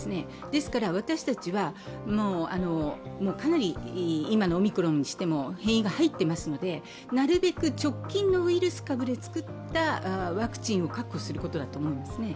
ですから、私たちはかなり今のオミクロンにしても変異が入っていますのでなるべく直近のウイルス株で作ったワクチンを確保することだと思うんですね。